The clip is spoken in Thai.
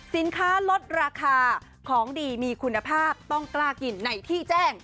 สินค้าลดราคาของดีมีคุณภาพต้องกล้ากินในที่แจ้ง